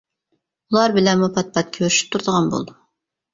ئۇلار بىلەنمۇ پات-پات كۆرۈشۈپ تۇرىدىغان بولدۇم.